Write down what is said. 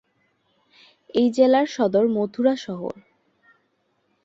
এই জেলার সদর মথুরা শহর।